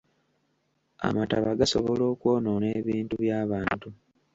Amataba gasobola okwonoona ebintu by'abantu.